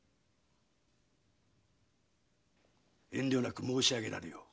遠慮なく申しあげられよ。